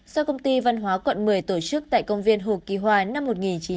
do công ty văn hóa quận một mươi tổ chức tại công viên hồ kỳ hoa năm một nghìn chín trăm chín mươi hai